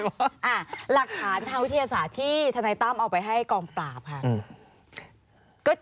หลักฐานทางวิทยาศาสตร์ที่ธนายตั้มเอาไปให้กองปราบค่ะ